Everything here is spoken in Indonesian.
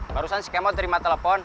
barusan si kemon terima telepon